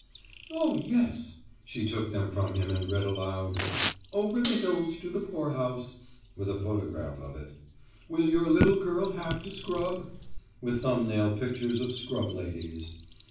'" "Oh, yes." She took them from him and read aloud. "'Over the Hills to the Poorhouse,' with a photograph of it, 'Will Your Little Girl Have to Scrub?' with thumbnail pictures of scrub ladies.